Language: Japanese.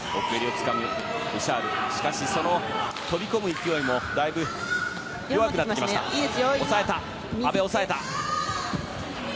しかし、飛び込む勢いもだいぶ弱くなってきました。